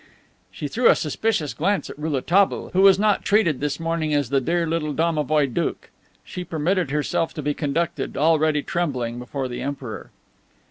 She threw a suspicious glance at Rouletabille, who was not treated this morning as the dear little domovoi doukh. She permitted herself to be conducted, already trembling, before the Emperor.